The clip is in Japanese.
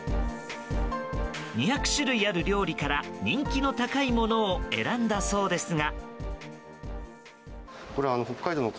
２００種類ある料理から人気の高いものを選んだそうですが。